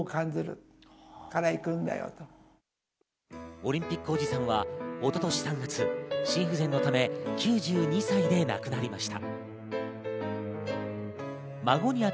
オリンピックおじさんは一昨年３月、心不全のため９２歳で亡くなりました。